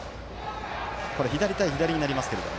左対左になります。